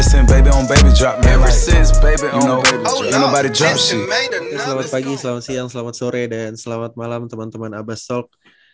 selamat pagi selamat siang selamat sore dan selamat malam teman teman abbassolk